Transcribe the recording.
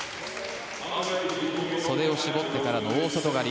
袖を絞ってからの大外刈り。